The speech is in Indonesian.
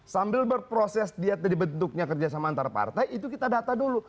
sambil berproses diet dan dibentuknya kerjasama antarupartai itu kita data dulu